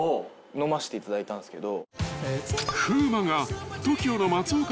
飲ましていただいたんですけど。